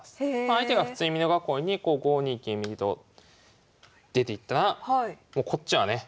相手が普通に美濃囲いに５二金右と出ていったらこっちはね